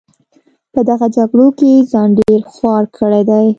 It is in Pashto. په دغه جګړو کې ځان ډېر خوار کړی دی.